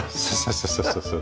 そうそうそうそう。